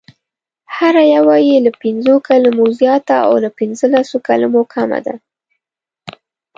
چې هره یوه یې له پنځو کلمو زیاته او له پنځلسو کلمو کمه ده: